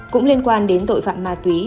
cũng liên quan đến tội phạm ma túy